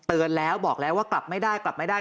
เตือนแล้วบอกแล้วว่ากลับไม่ได้กลับไม่ได้